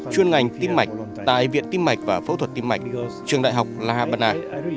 chuyên ngành tim mạch tại viện tim mạch và phẫu thuật tim mạch trường đại học la habana